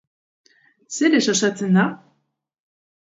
Zerez osatzen da?